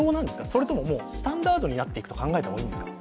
それとももうスタンダードになっていくと考えた方がいいんですか？